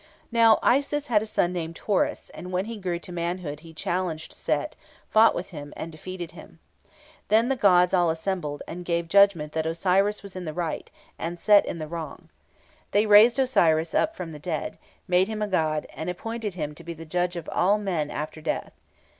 Now, Isis had a son named Horus, and when he grew to manhood he challenged Set, fought with him, and defeated him. Then the gods all assembled, and gave judgment that Osiris was in the right, and Set in the wrong. They raised Osiris up from the dead, made him a god, and appointed him to be judge of all men after death.